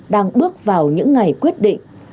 đang bước vào những ngày quyết định